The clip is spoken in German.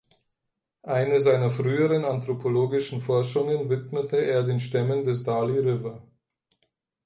Eine seiner früheren anthropologischen Forschungen widmete er den Stämmen des Daly River.